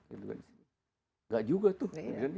nggak juga tuh